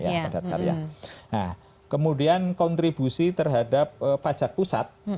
nah kemudian kontribusi terhadap pajak pusat